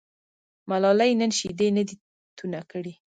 ملالۍ نن شیدې نه دي تونه کړي.